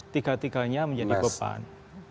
tiga tiganya menjadi beban